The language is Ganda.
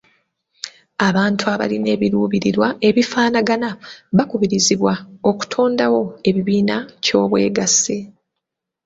Abantu abalina ebiruubirirwa ebifaanagana bakubirizibwa okutondawo ebibiina ky'obwegassi.